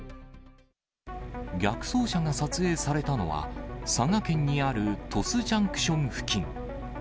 逆走車が撮影されたのは、佐賀県にある鳥栖ジャンクション付近。